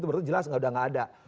itu jelas gak ada gak ada